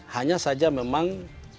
hanya saja memang